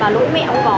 và nỗi mẹ cũng có